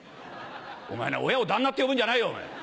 「お前な親を『旦那』って呼ぶんじゃないよ。